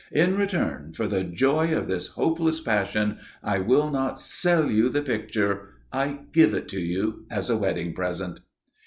In return for the joy of this hopeless passion I will not sell you the picture I give it to you as a wedding present."